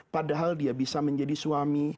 padahal dia bisa menjadi suami